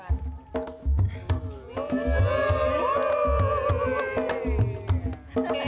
oke permisi ya